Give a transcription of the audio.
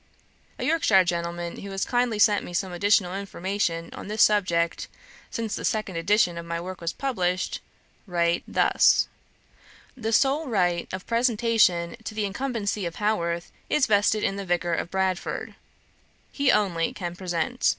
A Yorkshire gentleman, who has kindly sent me some additional information on this subject since the second edition of my work was published, write, thus: "The sole right of presentation to the incumbency of Haworth is vested in the Vicar of Bradford. He only can present.